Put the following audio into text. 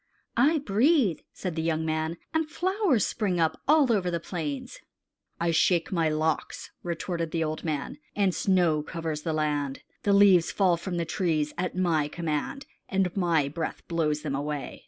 "I breathe," said the young man, "and flowers spring up all over the plains." "I shake my locks," retorted the old man, "and snow covers the land. The leaves fall from the trees at my command, and my breath blows them away.